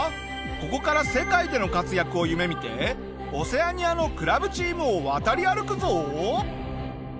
ここから世界での活躍を夢見てオセアニアのクラブチームを渡り歩くぞ！